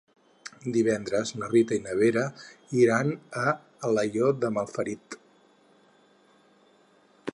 Divendres na Rita i na Vera iran a Aielo de Malferit.